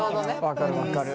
分かる分かる。